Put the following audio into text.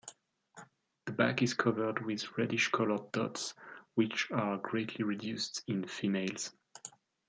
The back is covered with reddish-coloured dots, which are greatly reduced in females.